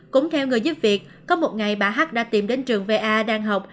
cũng theo người giúp việc có một ngày bà hắc đã tìm đến trường v a đang học